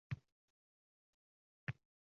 Ko'zimga ko'rinma!